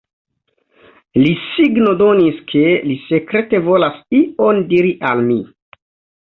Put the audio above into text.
Li signodonis, ke li sekrete volas ion diri al mi.